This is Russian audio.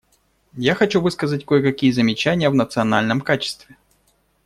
Я хочу высказать кое-какие замечания в национальном качестве.